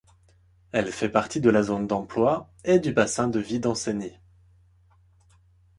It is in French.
Elle fait partie de la zone d'emploi et du bassin de vie d'Ancenis.